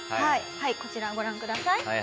はいこちらをご覧ください。